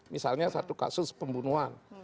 misalnya satu kasus pembunuhan